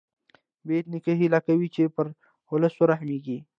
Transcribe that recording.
بېټ نیکه هیله کوي چې پر ولس ورحمېږې.